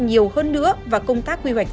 nhiều hơn nữa và công tác quy hoạch